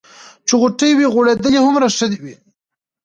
چې غوټۍ وي غوړېدلې هومره ښه ده.